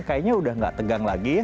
kayaknya udah gak tegang lagi ya